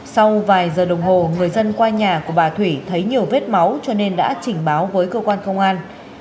sau vài giờ đồng hồ người dân qua nhà của bà thủy thấy nhiều vết máu cho nên đã trình báo với cơ quan công an